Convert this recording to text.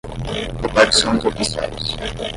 repartições oficiais